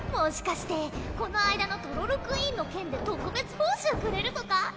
この間のトロルクイーンの件で特別報酬くれるとか？